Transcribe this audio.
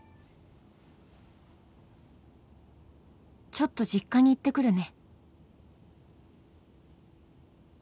「ちょっと実家に行ってくるね」